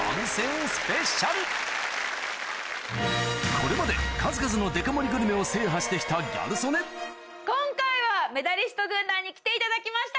これまで数々のデカ盛りグルメを制覇してきたギャル曽根に来ていただきました